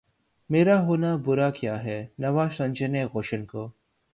میرا ہونا برا کیا ہے‘ نوا سنجانِ گلشن کو!